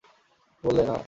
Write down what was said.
বললে, না।